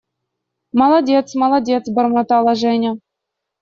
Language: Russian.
Молодец, молодец… – бормотала Женя.